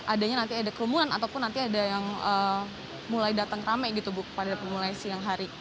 adanya nanti ada kerumunan ataupun nanti ada yang mulai datang rame gitu bu pada pemulai siang hari